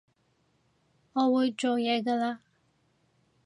我會做嘢㗎喇